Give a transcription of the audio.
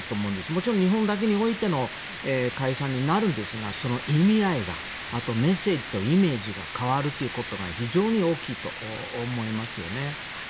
もちろん日本だけにおいての解散になるんですがその意味合いがメッセージとイメージが変わるということが非常に大きいと思いますよね。